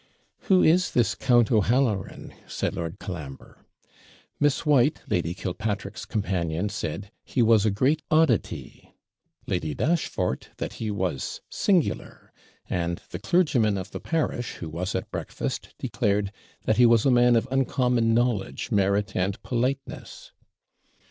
'Who is this Count O'Halloran?' said Lord Colambre. Miss White, Lady Killpatrick's companion, said 'he was a great oddity;' Lady Dashfort, 'that he was singular;' and the clergyman of the parish, who was at breakfast, declared 'that he was a man of uncommon knowledge, merit, and politeness.'